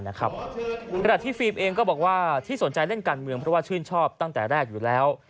ขณะที่ฟิล์มเองก็บอกว่าที่สนใจเล่นการเมืองเพราะว่าชื่นชอบตั้งแต่แรกอยู่แล้ว